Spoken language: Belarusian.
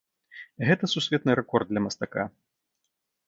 Гэта сусветны рэкорд для мастака.